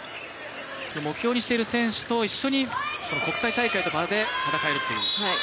目標にしている選手と一緒に国際大会の場で戦えるという。